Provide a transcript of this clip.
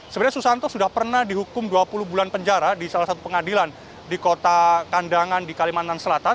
sebenarnya susanto sudah pernah dihukum dua puluh bulan penjara di salah satu pengadilan di kota kandangan di kalimantan selatan